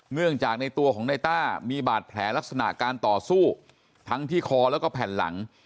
เนื่องจากในตัวของในต้ามีบาดแผลลักษณะการต่อสู้ทั้งที่คอแล้วก็แผ่นหลัง